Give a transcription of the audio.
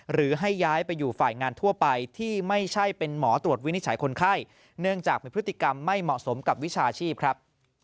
หรือให้ย้ายไปอยู่ฝ่ายงานทั่วไปที่ไม่ใช่เป็นหมอตรวจวินิจฉัยคนไข้เนื่องจากมีพฤติกรรมไม่เหมาะสมกับวิชาชีพครับ